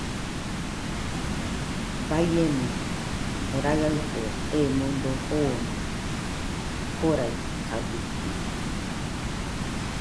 Baiemo raɨafo emodo joone Koraɨkabɨkɨ